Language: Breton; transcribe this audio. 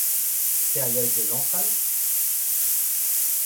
Te a yay da zañsal ?